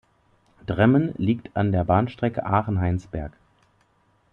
Dremmen liegt an der Bahnstrecke Aachen-Heinsberg.